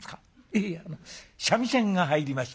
「いや三味線が入りまして」。